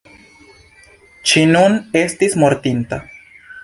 Ŝi nun estis mortinta.